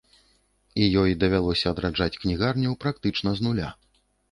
І ёй давялося адраджаць кнігарню практычна з нуля.